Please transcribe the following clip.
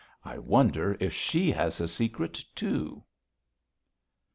'I wonder if she has a secret also.'